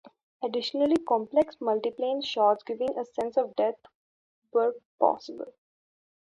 Additionally, complex multiplane shots giving a sense of depth were possible.